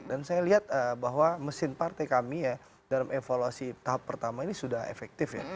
dan saya lihat bahwa mesin partai kami ya dalam evaluasi tahap pertama ini sudah efektif ya